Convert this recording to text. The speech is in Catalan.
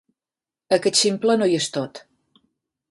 Aquest ximple no hi és tot.